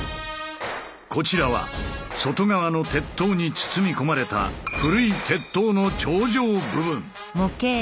こちらは外側の鉄塔に包み込まれた古い鉄塔の頂上部分。